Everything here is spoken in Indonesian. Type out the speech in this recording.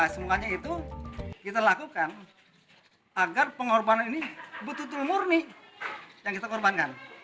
semuanya itu kita lakukan agar pengorbanan ini betul betul murni yang kita korbankan